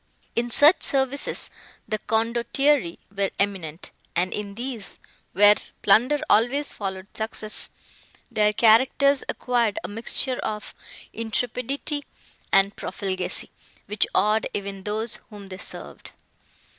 In such services the Condottieri were eminent, and in these, where plunder always followed success, their characters acquired a mixture of intrepidity and profligacy, which awed even those whom they served.